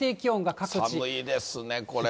寒いですね、これは。